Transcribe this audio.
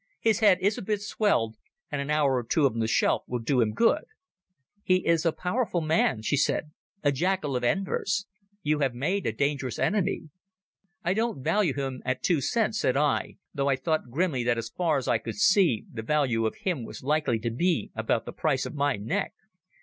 His head is a bit swelled, and an hour or two on the shelf will do him good." "He is a powerful man," she said, "a jackal of Enver's. You have made a dangerous enemy." "I don't value him at two cents," said I, though I thought grimly that as far as I could see the value of him was likely to be about the price of my neck.